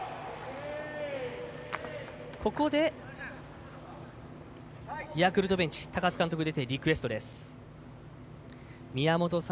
ここでヤクルトベンチ高津監督が出てリクエストです。